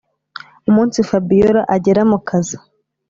umunsi fabiora agera mukazi